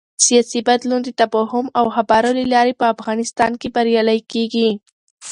سیاسي بدلون د تفاهم او خبرو له لارې په افغانستان کې بریالی کېږي